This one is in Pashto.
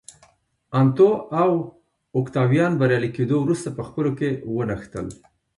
انتو او اوکتاویان بریالي کېدو وروسته په خپلو کې ونښتل